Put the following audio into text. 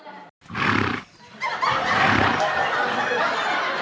มา